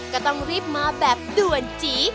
ก็ต้องรีบมาแบบด่วนจี